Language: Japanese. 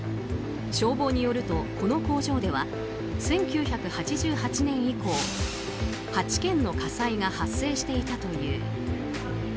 消防によると、この工場では１９８８年以降８件の火災が発生していたという。